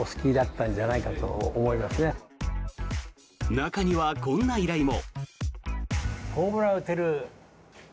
中には、こんな依頼も。